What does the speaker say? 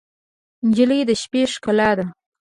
نجلۍ د شپو ښکلا ده.